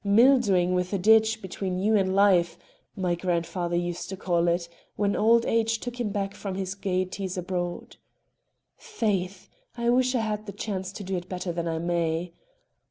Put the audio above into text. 'Mildewing with a ditch between you and life' my grandfather used to call it, when old age took him back from his gaieties abroad. Faith! I wish I had the chance to do it better than I may.